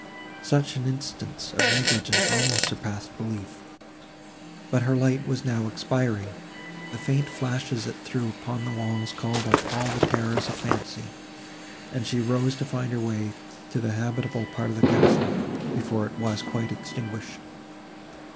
Such an instance of negligence almost surpassed belief. But her light was now expiring; the faint flashes it threw upon the walls called up all the terrors of fancy, and she rose to find her way to the habitable part of the castle, before it was quite extinguished.